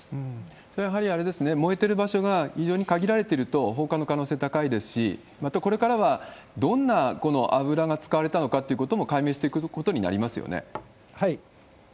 それはやはりあれですね、燃えてる場所が非常に限られてると放火の可能性高いですし、また、これからはどんな油が使われたのかということも解明していはい。